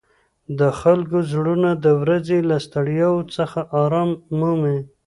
د خلکو زړونه د ورځې له ستړیاوو څخه آرام مومي.